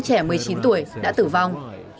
và một phụ nữ trẻ một mươi chín tuổi đã tử vong